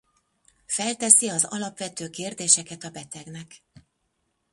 Felteszi az alapvető kérdéseket a betegnek.